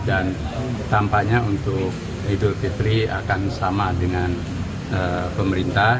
dan tampaknya untuk idul fitri akan sama dengan pemerintah